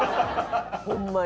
ホンマに。